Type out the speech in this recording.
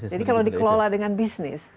jadi kalau dikelola dengan bisnis